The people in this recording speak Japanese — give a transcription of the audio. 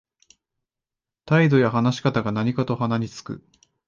態度や話し方が何かと鼻につく